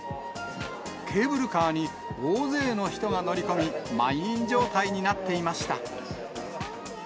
ケーブルカーに大勢の人が乗り込み、満員状態になっていました。